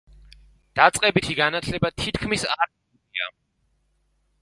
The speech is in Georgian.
დაწყებითი განათლება თითქმის არ მიუღია.